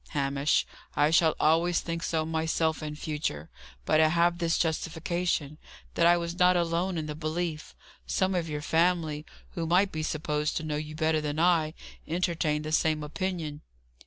"Hamish, I shall always think so myself in future. But I have this justification that I was not alone in the belief. Some of your family, who might be supposed to know you better than I, entertained the same opinion."